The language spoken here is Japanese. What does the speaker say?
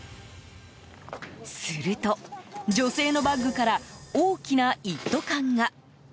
すると、女性のバッグから大きな一斗缶が。